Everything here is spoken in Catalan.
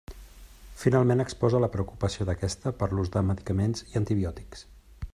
Finalment exposa la preocupació d'aquesta per l'ús de medicaments i antibiòtics.